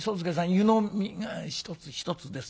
湯飲みが１つ１つです